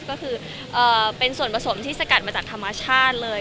ก็คือเป็นส่วนผสมที่สกัดมาจากธรรมชาติเลย